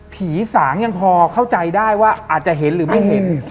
สางยังพอเข้าใจได้ว่าอาจจะเห็นหรือไม่เห็น